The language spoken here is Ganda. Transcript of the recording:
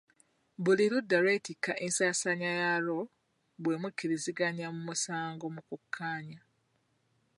Buli ludda lwettikka ensasaanya yalwo bwe mu kiriziganya mu musango mu kukkaanya.